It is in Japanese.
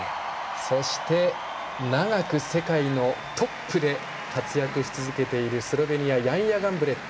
そして、長く世界のトップで活躍し続けているスロベニアヤンヤ・ガンブレット。